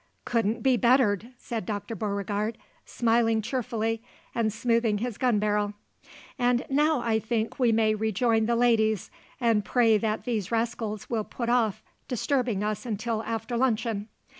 "Couldn't be bettered!" said Dr. Beauregard, smiling cheerfully and smoothing his gun barrel. "And now I think we may rejoin the ladies and pray that these rascals will put off disturbing us until after luncheon.